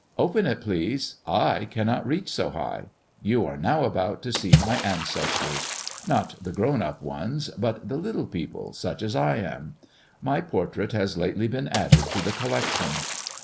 Open it, please. I cannot reach so high. You are now about to see my ancestors. Not the grown up ones, but the little people such as I am. My portrait has lately been added to the collection.